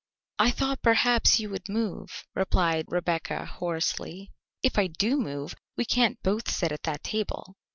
"I thought perhaps you would move," replied Rebecca hoarsely. "If I do move, we can't both sit at that table.